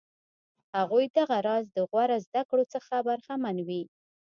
هغوی دغه راز د غوره زده کړو څخه برخمن وي.